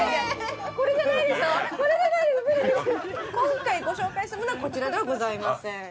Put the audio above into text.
今回ご紹介するのはこちらではございません。